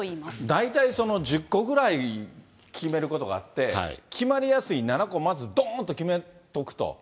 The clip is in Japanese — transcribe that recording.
大体その、１０個ぐらい決めることがあって、決まりやすい７個、まずどんと決めとくと。